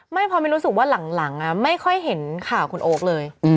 อมีรู้สึกว่าหลังไม่ค่อยค่อยเห็นบอกข่าว้ของโอ๊คเลย